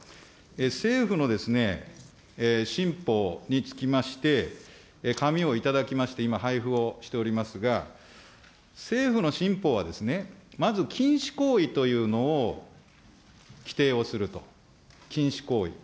政府の新法につきまして、紙をいただきまして、今、配布をしておりますが、政府の新法はですね、まず禁止行為というのを規定をすると、禁止行為。